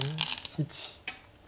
１。